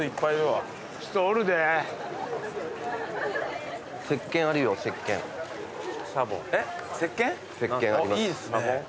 いいですね。